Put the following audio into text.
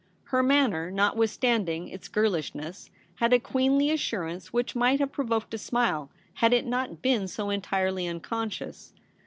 Her manner, notwithstanding its girllshness, had a queenly assurance which might have provoked a smile had It not been so entirely unconscious.